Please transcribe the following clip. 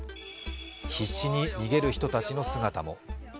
必死に逃げる人たちの姿も。